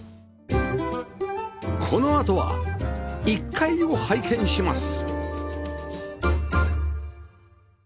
このあとは１階を拝見します